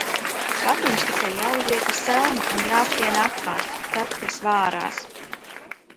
Katliņš tikai jāuzliek uz celma un jāskrien apkārt, tad tas vārās.